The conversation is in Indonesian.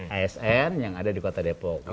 asn yang ada di kota depok